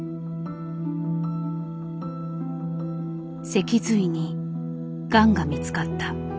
脊髄にガンが見つかった。